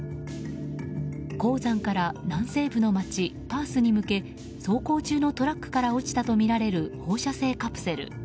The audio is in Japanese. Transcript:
鉱山から南西部の街パースに向け走行中のトラックから落ちたとみられる放射性カプセル。